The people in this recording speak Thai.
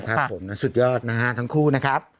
ครับผมนะสุดยอดนะฮะทั้งคู่นะครับ